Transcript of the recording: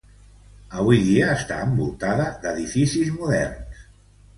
Avui dia està envoltada d'edificis moderns.